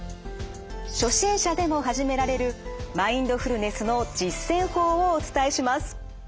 初心者でも始められるマインドフルネスの実践法をお伝えします。